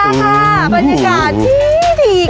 บรรยากาศที่ดี